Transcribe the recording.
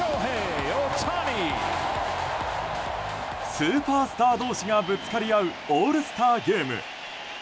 スーパースター同士がぶつかり合うオールスターゲーム。